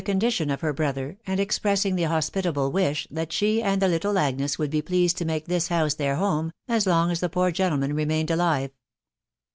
condition of her brother, and expressing the hospitable wish that she and the little Agnes would be pleased: to make his house their home as long as the poor gentleman remained alive.